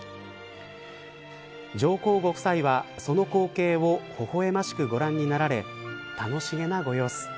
上皇ご夫妻は、その光景をほほえましくご覧になられ楽しげなご様子。